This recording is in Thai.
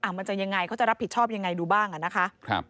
มันจะยังไงเขาจะรับผิดชอบยังไงดูบ้างนะคะ